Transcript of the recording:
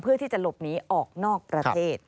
เพื่อที่จะหลบหนีออกนอกประเทศ